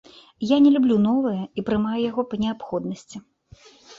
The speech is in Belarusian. Я не люблю новае і прымаю яго па неабходнасці.